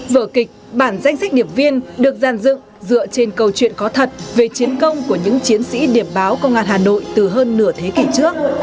vở kịch bản danh sách điệp viên được giàn dựng dựa trên câu chuyện có thật về chiến công của những chiến sĩ điệp báo công an hà nội từ hơn nửa thế kỷ trước